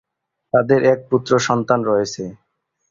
তাদের এক পুত্র সন্তান রয়েছে।